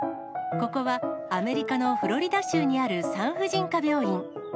ここはアメリカのフロリダ州にある産婦人科病院。